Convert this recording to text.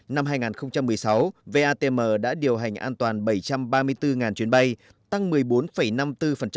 năm hai nghìn một mươi sáu vatm đã điều hành an toàn bảy trăm ba mươi bốn chuyến bay tăng một mươi bốn năm mươi bốn so với năm hai nghìn một mươi năm